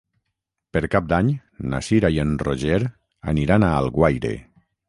Per Cap d'Any na Cira i en Roger aniran a Alguaire.